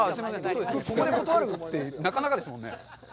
ここで断るってなかなかですもんね。